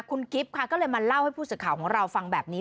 คุณกิฟต์ค่ะก็เลยมาเล่าให้ผู้สื่อข่าวของเราฟังแบบนี้